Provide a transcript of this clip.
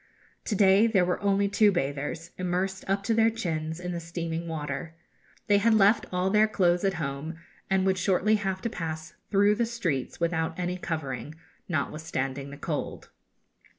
To day there were only two bathers, immersed up to their chins in the steaming water. They had left all their clothes at home, and would shortly have to pass through the streets without any covering, notwithstanding the cold.